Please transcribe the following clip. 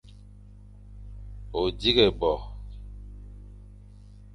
O dighé bo.